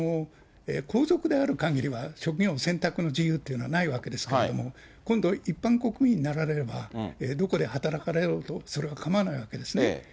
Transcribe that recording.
皇族であるかぎりは職業選択の自由というのはないわけですけれども、今度、一般国民になられれば、どこで働かれようと、それは構わないわけですね。